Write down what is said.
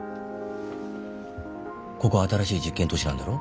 ここは新しい実験都市なんだろ？